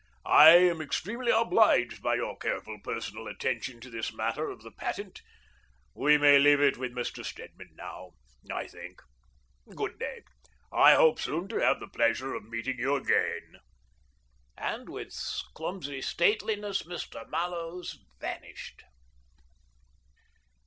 "I am extremely obliged by your careful personal attention to this matter of the patent. "We may leave it with Mr. Stedman now, I think. Good day. I hope soon to have the pleasure of meeting you again." And with clumsy stateli ness Mr. Mallows vanished.